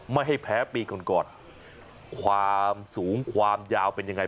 ไม่ให้แพ้ปีก่อนก่อนความสูงความยาวเป็นยังไง